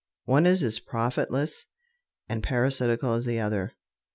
One is as profitless and parasitical as the other.